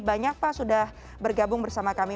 banyak pak sudah bergabung bersama kami